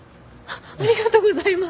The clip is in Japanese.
ありがとうございます。